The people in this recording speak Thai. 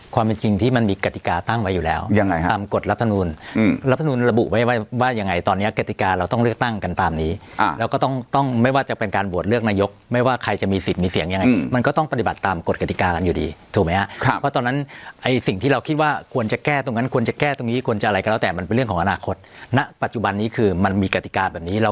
ความจริงที่มันมีกฎิกาตั้งไว้อยู่แล้วยังไงครับตามกฎรับทะนูนรับทะนูนระบุไว้ว่ายังไงตอนเนี้ยกฎิกาเราต้องเลือกตั้งกันตามนี้อ่าแล้วก็ต้องต้องไม่ว่าจะเป็นการบวชเลือกนายกไม่ว่าใครจะมีสิทธิ์มีเสียงยังไงอืมมันก็ต้องปฏิบัติตามกฎกฎิกากันอยู่ดีถูกไหมฮะครับเพราะตอนนั้นไอ